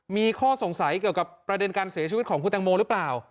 มีข้อสงสัยเกี่ยวกับประเด็นการเสียชีวิตของคุณตังโมหรือเปล่า